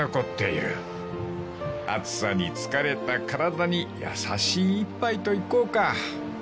［暑さに疲れた体に優しい一杯といこうか］